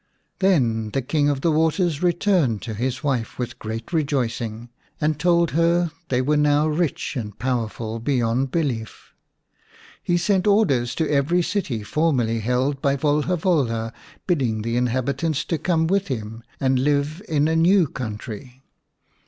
Then the King of the Waters returned to his wife with great rejoicing, and told her they were 111 The Serpent's Bride ix now rich and powerful beyond belief. He sent orders to every city formerly held by Volha Volha, bidding the inhabitants come with him and live in a new country.